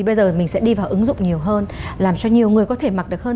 bây giờ mình sẽ đi vào ứng dụng nhiều hơn làm cho nhiều người có thể mặc được hơn